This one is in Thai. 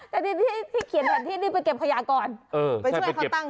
แล้วนี่แค่เป็นที่ไปเก็บขยาก่อน